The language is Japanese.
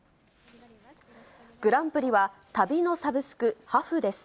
グランプリは、旅のサブスク、ハフです。